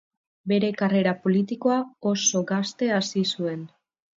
Bere karrera politikoa, oso gazte hasi zuen.